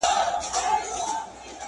په قبرو کي د وطن په غم افګار یو٫